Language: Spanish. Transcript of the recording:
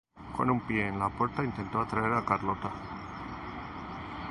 Con un pie en la puerta intentó atraer a Carlota.